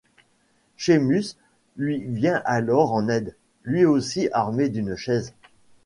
Sheamus lui vient alors en aide, lui aussi armé d'une chaise.